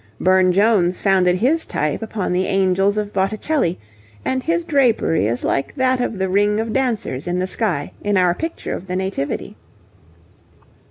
Burne Jones founded his type upon the angels of Botticelli, and his drapery is like that of the ring of dancers in the sky in our picture of the 'Nativity.'